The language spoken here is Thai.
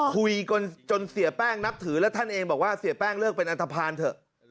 คุยกันจนเสียแป้งนับถือแล้วท่านเองบอกว่าเสียแป้งเลิกเป็นอันทภาณเถอะ